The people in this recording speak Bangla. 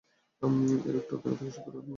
এই রোগটি উত্তরাধিকার সূত্রে প্রাপ্ত জিনগত ব্যাধি।